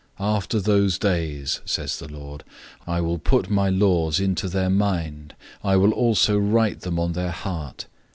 After those days," says the Lord; "I will put my laws into their mind, I will also write them on their heart.